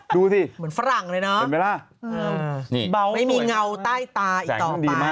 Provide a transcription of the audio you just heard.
ดูสิเป็นเวลาไม่มีเหงาใต้ตาอีกต่อไปตัวนี้ไม่มีเหงาทำไมเป็นฝรั่งเลยนะ